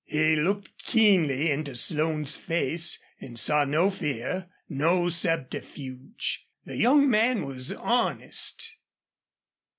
He looked keenly into Slone's face and saw no fear, no subterfuge. The young man was honest.